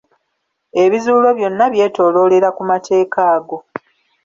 Ebizuulo byonna byetooloolera ku mateeka ago.